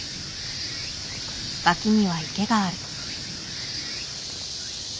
脇には池がある。